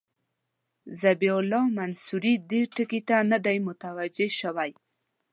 ذبیح الله منصوري دې ټکي ته نه دی متوجه شوی.